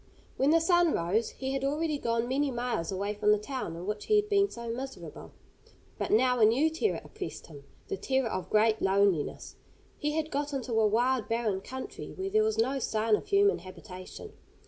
When the sun rose he had already gone many miles away from the town in which he had been so miserable. But now a new terror oppressed him the terror of great loneliness. He had got into a wild, barren country, where there was no sign of human habitation.